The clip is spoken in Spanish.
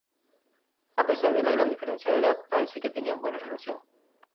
A pesar de la gran diferencia de edad, parece que tenían buena relación.